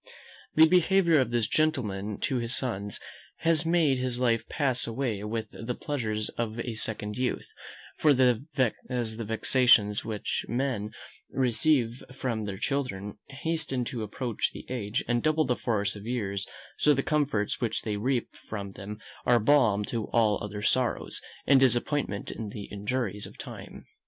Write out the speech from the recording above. The behaviour of this gentleman to his sons has made his life pass away with the pleasures of a second youth; for as the vexations which men receive from their children hasten the approach of age, and double the force of years; so the comforts which they reap from them, are balm to all other sorrows, and disappoint the injuries of time.